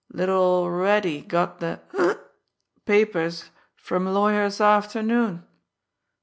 Little ol' Reddy got the hic! papers from lawyer 'safternoon.